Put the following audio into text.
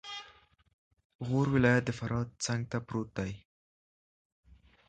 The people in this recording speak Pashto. غور ولایت د فراه څنګته پروت دی